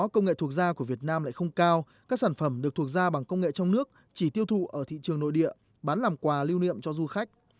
công nghệ thuộc da của việt nam lại không cao các sản phẩm được thuộc ra bằng công nghệ trong nước chỉ tiêu thụ ở thị trường nội địa bán làm quà lưu niệm cho du khách